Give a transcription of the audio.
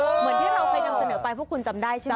เหมือนที่เราเคยนำเสนอไปพวกคุณจำได้ใช่ไหม